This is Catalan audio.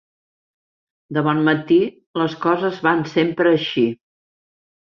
De bon matí les coses van sempre així.